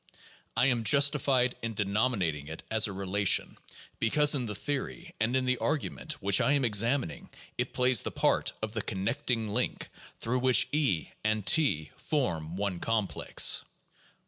I am justified in de nominating it as a relation, because in the theory and in the argu ment which I am examining it plays the part of the connecting link through which E and T form one complex.